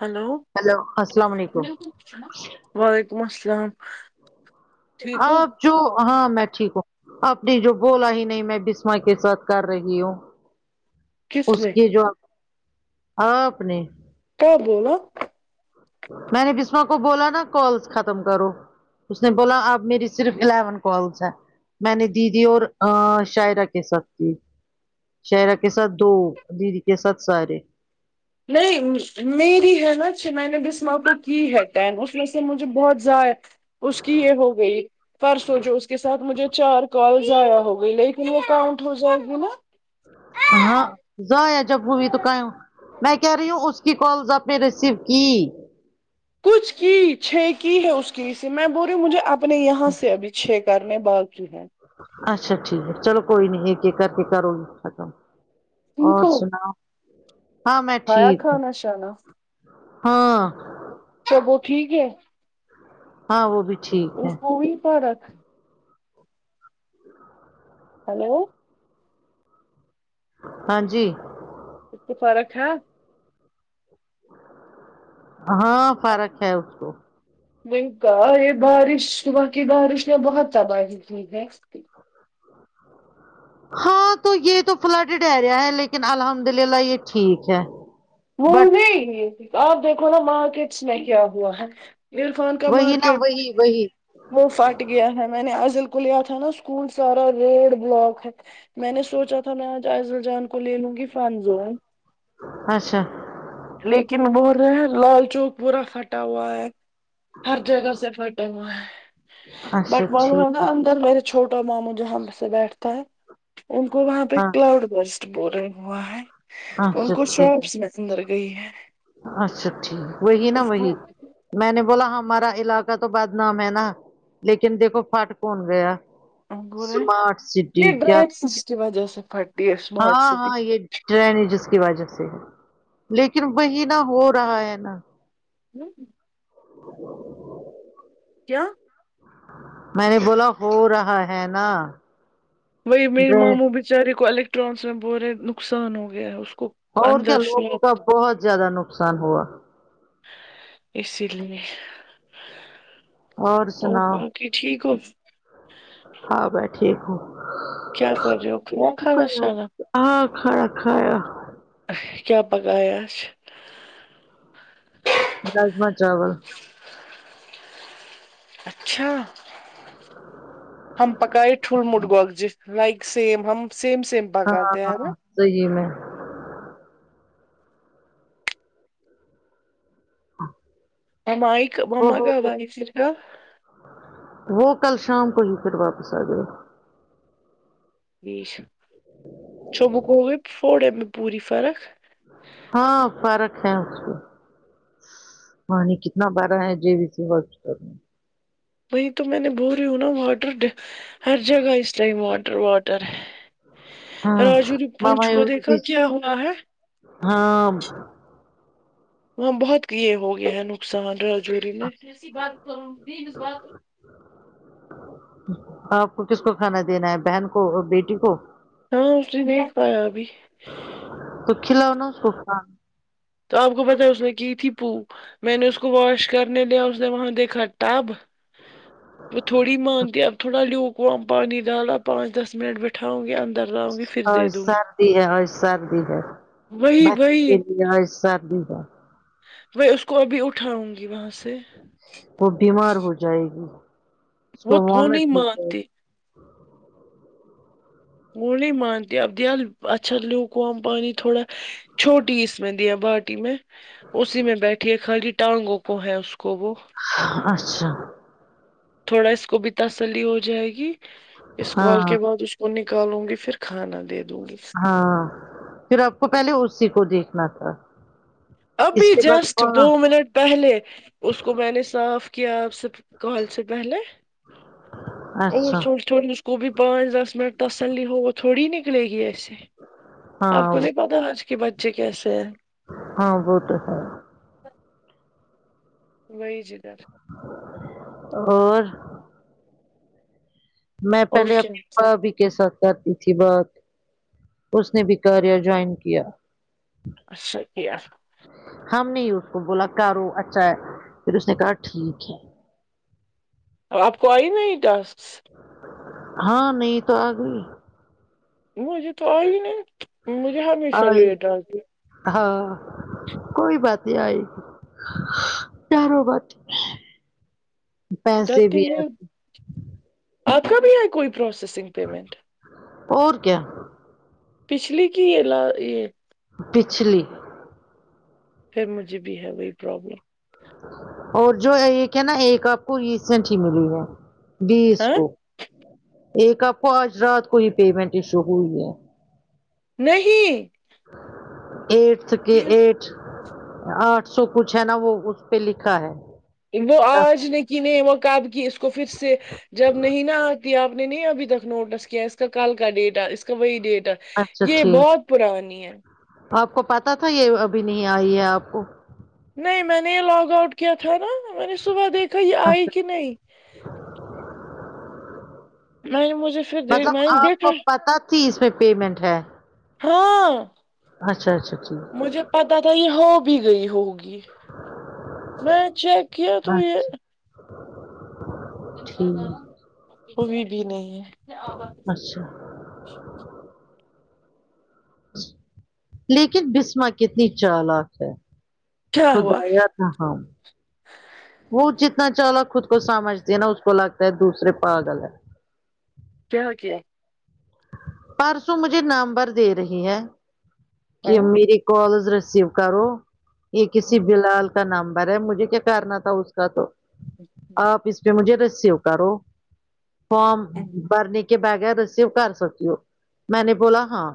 Hello hello السلام علیکم وعلیکم السلام ٹھیک ہو ہاؤ جو ہاں میں ٹھیک ہوں آپ نے جو بولا ہی نہیں میں بسما کے ساتھ کر رہی ہوں کس اس نے کی جو آ آپ نے کیا بولا میں نے بسما کو بولا نا کالس ختم کرو اس نے بولا اب میری صرف الیون کالس ہے میں نے دیدی اور آ شاعرہ کے ساتھ کی شاعرہ کے ساتھ دو دیدی کے ساتھ سارے نہیں میری ہے نا میں نے بھی صبح کو کی ہے ٹین اس و سے مجھے بہت ضائع اس کی یہ ہو گئی پرسوں جو اس کے ساتھ مجھے چار کال ضائع ہو گئی لے یہی کاؤنٹ ہو جاںے گی نا ہاں ضائع جب ہوئی تو کام میں کہہ رہی ہوں اس کے کالز ابھی ریسیو کی کچھ کی چھ کی ہے اس کی اسی میں بول رہی ہوں مجھے اپنے یہاں سے ابھی چھ کرنے باقی ہیں اچھا ٹھیک ہے چلو کوئی نہیں ایک ایک کر کے کرو ختم ٹھیک اور ہو سناؤ ہاں میں کھایا ٹھیک ہوں کھانا شانا ہاں سب وہ ٹھیک ہے ہاں وہ بھی ٹھیک ہے وہی پارک ہلو ہاں جی کچھ فرق ہے ہاں فرق ہے اس کو نہیں کا یہ بارش صبح کی بارش نےبہت تباہی کی ہے ہاں تو یہ تو فلڈڈ ایریا ہے لیکن الحمد للہ یہ ٹھیک ہے وہ بٹ نہیں آپ دیکھو نا مارکٹس میں کیا ہوا ہے عرفان کا وہی نا مارکیٹ وہی وہی وہ پھٹ گیا ہے میں نے آزل کو لیا تھا نا اسکول سارا روڈ بلاک ہے میں نے سوچا تھا میں آج عائزل جان کو لے لوں گی فانزون اچھا لیکن بول رہے ہے لال چوک پورا پھٹا ہوا ہے ہر جگہ سے فٹا ہوا ہے بٹ اچھا وہ ہے نا ٹھیک اندر میرے چھوٹا ماموں جہاں سے بیٹھتے ہیں ان کو وہاں پہ ہاں کلاؤڈ برسٹ بورنگ ہوا ہے تو ان اچھا کو سب ٹھیک میںسیج مل گئی ہے اچھا ٹھیک وہی نا اس کو وہی میں نے بولا ہمارا علاقہ تو بدنام ہے نا لیکن دیکھو فٹ کون گیا بولے اسمارٹ سٹی یہ کیا ڈرائیس کی وجہ سے پھٹ ہاں ہاں یہ ٹرینی جس کی وجہ سے ہے لیکن وہی نہ ہو رہا ہے نا [unintelligible] [inaudible] کیا میں نے بولا ہو رہا ہے نا وہی میرے ماموں بچارے کو الیکٹرانس میں بول رہے نقصان ہو گیا ہے اس کو اور کیا اندر لوگوں شاپ کا بہت زیادہ نقصان ہوا اسی لیے اور [unintelligible] کہ ٹھیک ہو ہاں میں ٹھیک ہوں کیا کر رہے ہو کیا کھانا شکر اللہ شانا کہ ہاں کھایا کھایا کیا پکایا آج راجما چاول اچھا ہم پکائے ٹول مٹ گگجے لائک سیم ہم سیم سیم ہاں پکاتے ہیں ہیں نا ہاں صحیح میں [unintelligible] مم ایے کب مم وہ کب کا بائیسر [unintelligible] وہ کل شام کو ہی پھر واپس آ گئے شوبا ہوا پھوڑے میں پوری فرق ہاں فرق ہے اسکو پانی کتنا بھرا ہے جے وی سی روڈ پر وہی تو میں نے بول رہی ہوں نا واٹر ہر جگہ اس ٹائم واٹر واٹر ہے راجو ہاں نے ماما پونچ کو یہ دیکھا کیا ہوا ہے ہاں وہاں بہت یہ ہو گیا ہے نقصان راج وارے نے کیسی بات کروں آپ کو کس کو کھانا دینا ہے بہن کو بیٹی کو ہاں اس نہیں پیابی تو کھیلاؤ نہ اس کو [unintelligible] تو آپ کو پتا ہے اس نے کی تھی پو میں نے اس کو واش کرنے لیا اس نے وہاں دیکھا ٹب وہ تھوڑی مانتے اپ تھوڑا لوگ کوم پانی ڈالا پانچ دس منٹ بیٹھاؤں گی ان اور سردی ہے اور سردی ہے وہی بقی کے وہی لیے سردی ہے میں اس کو ابھی اٹھاؤں گی وہاں سے وہ بیمار ہو جائے گی اس کو وہ وہ وامٹ نہیں ہو جائے مانتی گی وہ نہیں مانتی اپدل اچھا لو کوم پانی تھوڑا چھوٹی اس میں دیا باٹی میں اسی میں بیٹھی ہے خالی ٹانگوں کو ہے اس کو وہ اچھا تھوڑا اس کو بھی تسلی ہو جائے گی اس کال ہاں کے بعد اس کو نکالوں گی پھر کھانا دے دوں گی ہاں پھر آپ کو پہلے اسی کو دیکھنا تھا ابھی اس کے بعد جسٹ دو ہاں منٹ پہلے اس کو میں نے صاف کیا آپ سے کال سے پہلے اور اچھا اس تھوڑس خوب پانچ دس منٹ تسلی ہوت تھوڑی نکلے گی ایسے ہاں آپ کو نہیں وہ- پتا آج کے بچے کیسے ہیں ہاں وہ تو ہے وہی جی گھر اور میں اور پہلے کیا اپنے بھابھی کے ساتھ کرتی تھی تھی بات اس نے بھی کاریہ جوائن کیا اچھا کیا ہم نے ہی اس کو بولا کرو اچھا ہے پھر اس نے کہا ٹھیک ہے آپ کو آئی نہیں ٹاسک ہاں نہیں تو آ گئی مجھے تو آئی نہیں مجھے ہمیشہ آئی لیٹ آج ہاں کوئی بات نہیں آئی چاروں بات جب پیسے تک بھی آ میں آپ کا بھی ہے کوئی پروسیسنگ پیمنٹ اور کیا پچھلی کی ہے لا یہ پچھلی پھر مجھے بھی ہے وہی پرابلم اور جو ایک ہے نا ایک آپ کو ریسنٹ ہی ملی ہے بیس ہاں کو ایک آپ کو آج رات کو یہ پیمنٹ ایشو ہوئی ہے نہیں ایٹس کے یہ- ای آٹھ سو کچھ ہے نا وہ اس پہ لکھا ہے کیا؟ آج نے کی نہیں وہقاب کی اس کو پھر سے جب نہیں نہ آتی آپ نے نہیں ابھی تک نوٹس کیا اس کا کل کا ڈیٹ ہے اس کا وہی ڈیٹ ہے اچھا یہ ٹھیک بہت پرانی ہے آپ کو پتہ تھا یہ ابھی نہیں آئی ہے آپ کو نہیں میں نے یہ لاگ آؤٹ کیا تھا نا میں نے صبح دیکھا یہ آئی اچھا کہ نہیں نہیں مجھے پھر دیکھ- مطلب میں نے آپ دیکھا کو پتہ تھی اس میں پیمنٹ ہے ہاں اچھا اچھا ٹھیک مجھے پتا تھا یہ ہو بھی گئی ہوگی میں چیک کیا تو اچھا ٹھیک ا بھی نہیں ہے اچھا لیکن بسمہ کتنی چالاک ہے کیا ہوا خدایا تھا وہ جتنا چالاک خود کو سمجھتی ہیں نا اس کو لگتا ہے دوسرے پاگل ہے کیا کیا پرسوں مجھے نمبر دے رہی ہے کہ ہاں میری کالز ریسیو کرو یہ کسی بلال کا نمبر ہے مجھے کیا کرنا تھا اس کا تو آپ اس پہ مجھے ریسیو کرو فارم بھرنے کے بغیر ریسیو کر سکی ہو میں نے بولا ہاں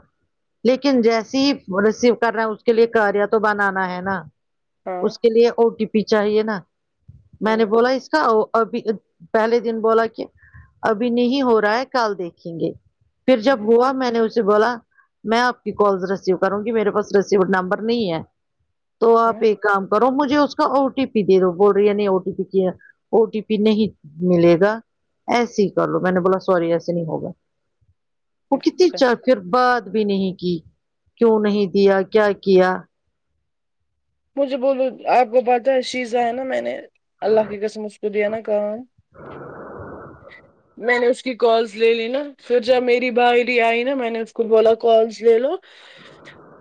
لیکن جیسی ہی ریسیو کر رہے ہیں اس کے لیے کاریا تو بنانا ہے نا ہاں اس ہاں کے لیے او ٹی پی چاہیے نا میں نے بولا اس کا ابھی پہلے دن بولا کہ ابھی نہیں ہو رہا ہے کل دیکھیں گے پھر جب ہوا میں نے اس بولا میں آپ کی کال ریسیو کروں گی میرے پاس ریسیو نمبر نہیں ہے تو آپ ہاں ایک کام کرو مجھے اس کا او ٹی پی دے دو بول رہی نہیں او ٹی پی کیا او ٹی پی نہیں ملے گا ایسے ہی کر لو میں نے بولا سوری ایسے نہیں ہوگا وہ کتنی اچھا چارفر بات بھی نہیں کی کیوں نہیں دیا کیا کیا مجھے بولو آپ کو پتہ ہے شیزہ ہے نا میں نے اللہ کی قسم اس کو دیا نا کام میں نے اس کی کالس لے لی نہ پھر جب میری بائری آئی نا میں نے اس کو بولا کالس لے لو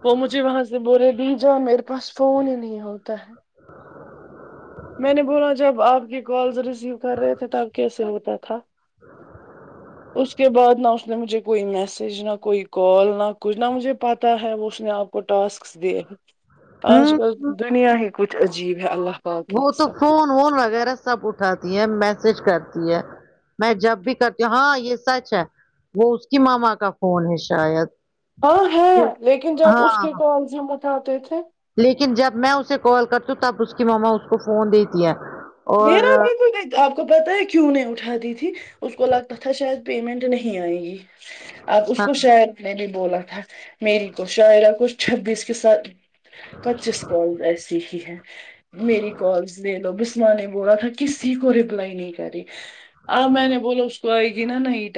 وہ مجھے وہاں سے بورے بھی جا میرے پاس فون ہی نہیں ہوتا ہے میں نے بولا جب آپ کے کالز ریسیو کر رہے تھے تب کیسے ہوتا تھا اس کے بعد اس نے مجھے کوئی میسج نہ کوئی کال نہ کچھ نہ مجھے پتا ہے وہ اس نے آپ کو ٹاسک دے آج ہوں کل دنیا ہی کچھ عجیب ہے اللہ پاک کی وہ تو قسم فون وون وغیرہ سب اٹھاتی ہے میسج کرتی ہے میں جب بھی کرتی ہوں ہاں یہ سچ ہے وہ اس کی مما کا فون ہے شاید ہاں ہے لیکن جب اس کے ہاں کالز ہم اٹھاتے تھے لیکن جب میں اسے کال کرتی ہوں تب اس کی مما اس کو فون دیتی ہے میرا اور [unintelligible] آپ کو پتا ہے کیوں نہیں اٹھاتی تھی اس کو لگتا تھا شاید پیمنٹ نہیں آئے گی اب اس ہاں کو شاعر نے بھی بولا تھا میری کو شاعرہ کچ چھبیس کے ساتھ پچیس کال ایسی ہی ہے میری کالس لے لو ب اں نے بولا تھا کسی کو رپلائی نہیں کری آ میں نے بولا اس کو آئی گی نا نہیں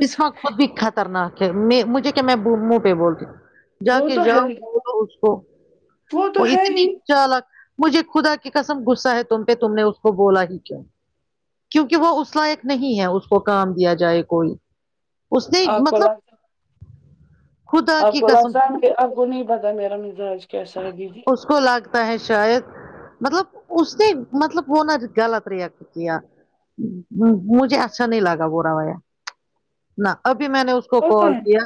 بسمہ خود بھی خطرناک ہے میں مجھے کیا میں منہ پہ بولتی ہوں جا وہ کے تو ہے جاؤ ہی بولو اس کو تو وہ ہے اتنی ہی چالک مجھے خدا کی قسم غصہ ہے تم پہ تم نے اس کو بولا ہی کیوں کیونکہ وہ اس لائق نہیں ہے اس کو کام دیا جائے کوئی اس نے آپ کو مطلب لگتا خدا آپ کی کو قسم آسان آپ کو نہیں پتا میرا مزاج کیسا ہے دیدی اس کو لگتا ہے شاید مطلب اس نے مطلب وہ نہ غلط ریاکٹ کیا ہمم مجھے اچھا نہیں لگا وہ رویہ نہ ابھی میں نے اس کو پتا کال ہے کیا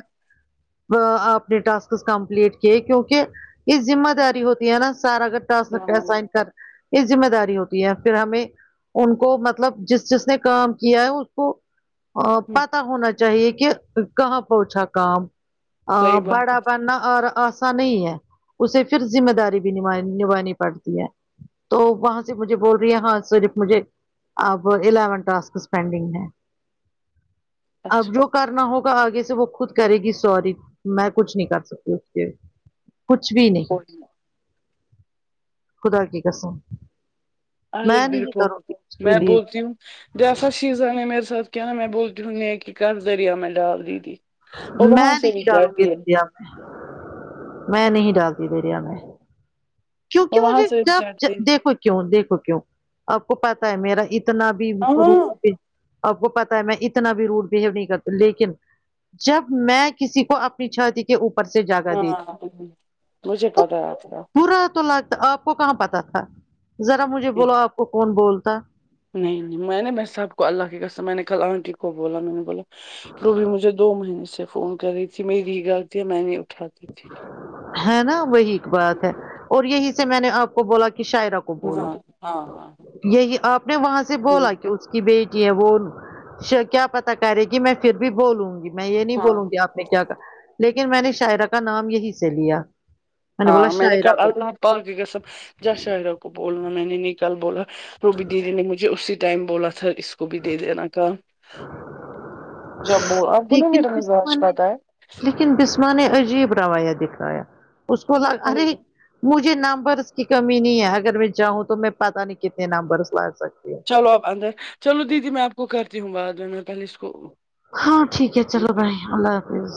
آپ نے ٹاسکس کمپلیٹ کیے کیونکہ یے ذمہ داری ہوتی ہے نا سر اگر ٹاسک ہاں پھر سائن ہم، کر یے ذمہ داری ہوتی ہے پھر ہمیں ان کو مطلب جس جس نے کام کیا ہے اس کو آ پتا ہونا چاہیے کہ کہاں پہنچا کام ہاں صحیح بات بڑا ہے بننا اور آسان نہیں ہے اسے پھر ذمہ داری بھی نبھا نبھانی پڑتی ہے تو وہاں سے مجھے بول رہی ہے ہاں صرف مجھے اب الیون ٹاسکس پینڈنگ ہے اب اچھا جو کرنا ہوگا آگے سے وہ خود کرے گی سوری میں کچھ نہیں کر سکتی اس کے کچھ بھی نہیں خدا کی قسم ارے میں نہیں بالکل کروں گی اس کے میں لیے بولتی ہوں جیسا چیز آ نے میرے ساتھ کیا نا میں بولتی ہوں نیکی کر دریا میں ڈال دی تھی وہ وہاں میں سے بھی نہیں ڈالوں گی چڑھتی ہے دریا میں میں نہیں ڈالتی دریا میں کیونکی وہ وہاں مجھے سے بھی جب چڑھتی ہے دیکھو کیوں دیکھو کیوں آپ کو پتا ہے میرا اتنا بھی ہاں آپ کو پتہ ہے میں اتنا بھی روڈ بہیو نہیں کرتی لیکن جب میں کسی کو پی چھاتی کے اوپر سے جگہ دے دی ہاں مجھے تو پتا ہے آپ کا پورا تو لگتا آپ کو کہاں پتہ تھا ذرا مجھے بولو آپ کو کون بولتا نہیں نہیں میں نے میں سب کو اللہ کی قسم میں نے کل آنٹی کو بولا میں نے بولا وہ بھی مجھے دو مہینے سے فون کر رہی تھی میری ہی غلطی ہے میں نہیں اٹھاتی تھی ہے نا وہی ایک بات ہے اور یہی سے میں نے آپ کو بولا کی شاعرہ کو بولو ہاں ہاں ہاں یہی آپ نے وہاں سے بولا کیوں اس کی بیٹی ہے وہ مجھے کیا پتا کرے گی میں پھر بھی بولوں گی میں یے نہیں ہاں بولوں گی آپ کیا کہا لیکن میں نے شاعرہ کا نام یہی سے لیا بولا ہاں میں نے شاعرہ کو اللہ پا کی قسم جا شاہرہ کو بولنا میں نے نکال بولا روبی دیدی نے مجھے اسی ٹائم بولا تھا اس کو بھی دے دینا کام جب آپ کو نا لیکن میرا بسما مزاج نے پتہ ہے لیکن بسما نے عجیب روایہ دکھایا اس کو لا ارے مجھے نمبرس کی کمی نہیں ہے اگر میں چاہوں تو میں پتہ نہیں کتنے نمبرس لا سکتی ہوں چلو آپ اندر چلو دیدی میں آپ کو کرتی ہوں بعد میں میں پہلے اس کو ہاں ٹھیک ہے چلو بائے بھائی اللہ حافظ